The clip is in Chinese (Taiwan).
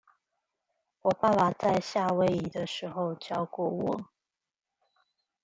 我爸爸在夏威夷的時候教過我